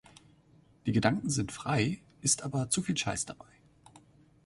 Die Gedanken sind frei, ist aber zu viel Scheiss dabei.